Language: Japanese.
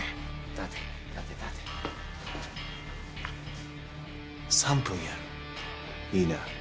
立て立て３分やるいいな？